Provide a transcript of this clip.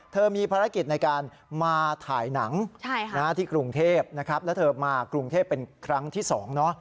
เธอมีภารกิจในการมาถ่ายหนังที่กรุงเทพฯแล้วเธอมากรุงเทพฯเป็นครั้งที่สอง